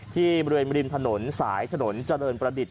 ที่บริเวณริมถนนสายถนนเจริญประดิษฐ